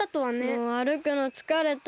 もうあるくのつかれた。